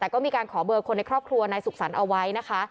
แต่ก็มีการขอเบอร์คนในครอบครัวนายสุขสรรค์เอาไว้นะคะ